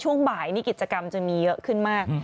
ช่วงบ่ายนี่กิจกรรมจะมีเยอะขึ้นมาก